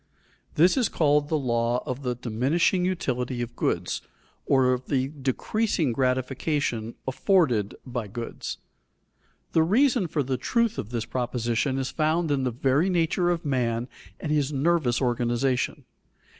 _ This is called the law of the diminishing utility of goods or of the decreasing gratification afforded by goods. The reason for the truth of this proposition is found in the very nature of man and his nervous organization.